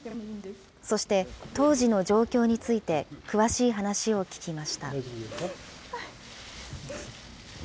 そして、当時の状況について、詳しい話を聞きました。